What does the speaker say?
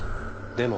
でも。